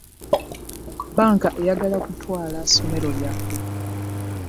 Banka eyagala kutwala somero lyaffe.